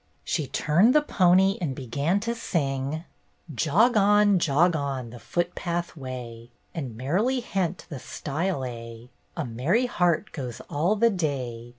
She turned the pony and began to sing: "' Jog on, jog on, the foot path way. And merrily hent the stile a : A merry heart goes all the day.